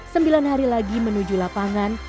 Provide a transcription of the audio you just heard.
sembilan hari lagi menuju lapangan